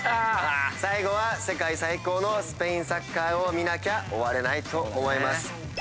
最後は世界最高のスペインサッカーを見なきゃ終われないと思います。